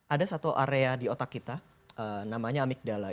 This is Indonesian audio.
ada satu area di otak kita namanya amigdala